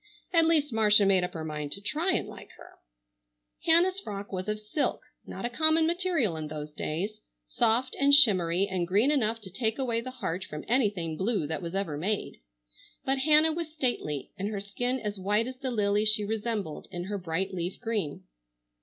At least Marcia made up her mind to try and like her. Hannah's frock was of silk, not a common material in those days, soft and shimmery and green enough to take away the heart from anything blue that was ever made, but Hannah was stately and her skin as white as the lily she resembled, in her bright leaf green.